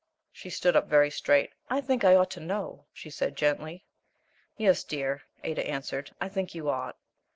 She stood up very straight. "I think I ought to know," she said, gently. "Yes, dear," Ada answered, "I think you ought."